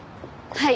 はい。